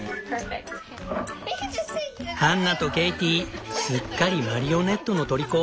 ハンナとケイティすっかりマリオネットの虜。